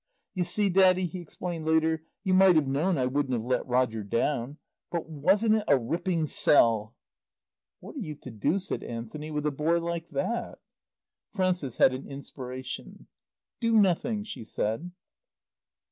"You see, Daddy," he explained later, "you might have known I wouldn't have let Roger down. But wasn't it a ripping sell?" "What are you to do," said Anthony, "with a boy like that?" Frances had an inspiration. "Do nothing," she said.